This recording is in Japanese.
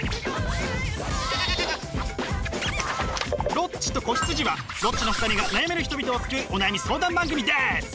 「ロッチと子羊」はロッチの２人が悩める人々を救うお悩み相談番組です！